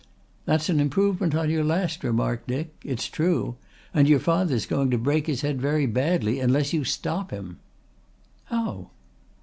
"That's an improvement on your last remark, Dick. It's true. And your father's going to break his head very badly unless you stop him." "How?"